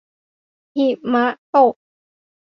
หิมะตก